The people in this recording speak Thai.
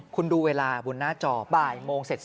คุณดูเวลาบนหน้าจอบ่ายโมงเสร็จ